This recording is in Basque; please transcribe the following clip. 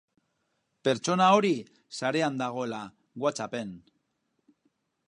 Pertsona hori sarean dagoela WhatsApp-en.